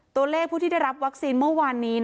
ตัวเลขผู้ที่ได้รับวัคซีนเมื่อวานนี้